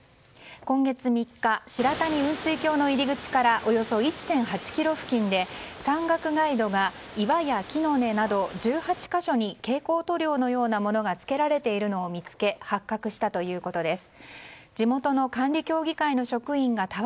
今月３日白谷雲水峡の入り口からおよそ１．８ｋｍ付近で山岳ガイドが岩や木の根など１８か所に蛍光塗料のようなものが付けられているのを見つけ発覚したということです。